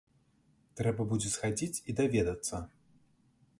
Трэба будзе схадзіць і даведацца.